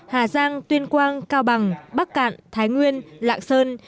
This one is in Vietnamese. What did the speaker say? hà giang tuyên quang cao bằng bắc cạn thái nguyên lạng sơn